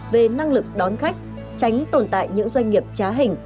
về năng lực đón khách tránh tồn tại những doanh nghiệp trá hình